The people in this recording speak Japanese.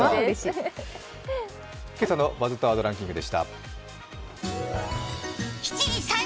今朝の「バズったワードランキング」でした。